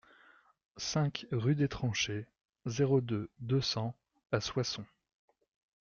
cinq rue des Tranchées, zéro deux, deux cents à Soissons